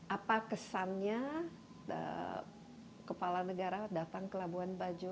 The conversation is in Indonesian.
apa kesannya kepala negara datang ke labuan bajo